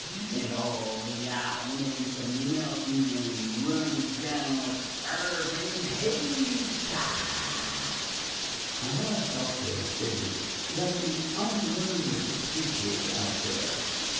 and all the alliments a meltin and runnin down with fervent heat ah!" (I have elsewhere stated that the unlearned preachers out there